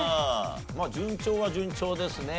まあ順調は順調ですね。